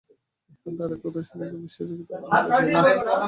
ইহা দ্বারা কোথাও সমগ্র বিশ্বজগতের আরম্ভ বুঝায় না।